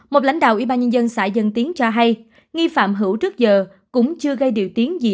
một lãnh đạo ủy ban nhân dân xã dân tiến cho hay nghi phạm hữu trước giờ cũng chưa gây điều tiếng gì